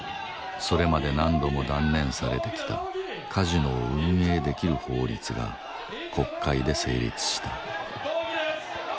それまで何度も断念されてきたカジノを運営できる法律が国会で成立した。